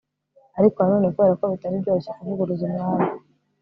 ariko na none kubera ko bitari byoroshye kuvuguruza umwami